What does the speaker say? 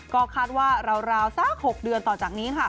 ก็คาดว่าราวสัก๖เดือนต่อจากนี้ค่ะ